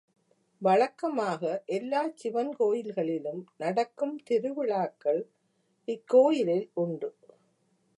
வழக்கமாக எல்லாச் சிவன் கோயில்களிலும் நடக்கும் திருவிழாக்கள் இக்கோயிலில் உண்டு.